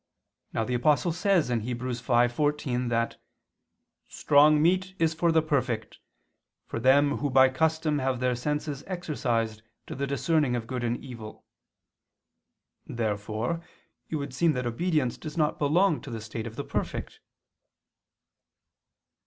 Now the Apostle says (Heb. 5:14) that "strong meat is for the perfect, for them who by custom have their senses exercised to the discerning of good and evil." Therefore it would seem that obedience does not belong to the state of the perfect.